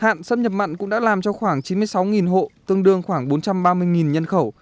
hạn xâm nhập mặn cũng đã làm cho khoảng chín mươi sáu hộ tương đương khoảng bốn trăm ba mươi nhân khẩu